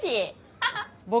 ハハハ！